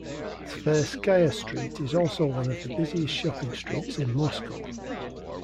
Tverskaya Street is also one of the busiest shopping streets in Moscow.